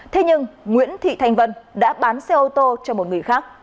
thế nhưng nguyễn thị thanh vân đã bán xe ô tô cho một người khác